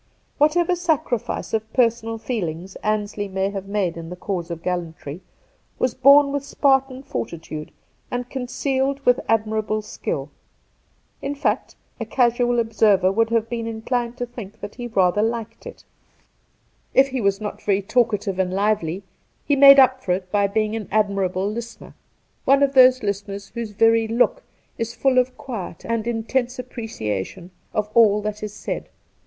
Whatever sacrifice of personal feelings Ansley may have made in the cause of gallantry was borne with Spartan fortitude and concealed with ad mirable skill; in fact, a casual observer would have been inclined to think that he rather liked it. 2o8 Two Christmas Days If he was not very talkative and lively,, lie made up for it by being an admirable listener — one of those listeners whose very look is full of quiet and intense appreciation of all that is said.